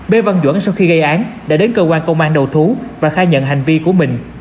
bê văn duẩn sau khi gây án đã đến cơ quan công an đầu thú và khai nhận hành vi của mình